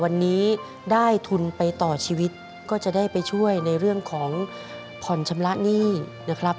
วันนี้ได้ทุนไปต่อชีวิตก็จะได้ไปช่วยในเรื่องของผ่อนชำระหนี้นะครับ